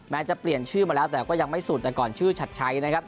จะเปลี่ยนชื่อมาแล้วแต่ก็ยังไม่สุดแต่ก่อนชื่อชัดชัยนะครับ